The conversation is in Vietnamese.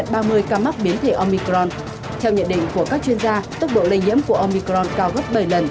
theo nhận định của các chuyên gia tốc độ lây nhiễm của omicron cao gấp bảy lần